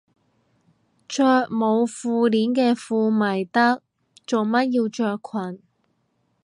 着冇褲鏈嘅褲咪得，做乜要着裙